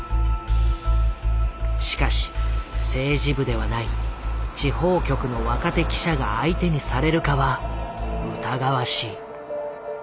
しかし政治部ではない地方局の若手記者が相手にされるかは疑わしい。